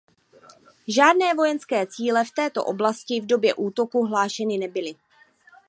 Žádné vojenské cíle v této oblasti v době útoku hlášeny nebyly.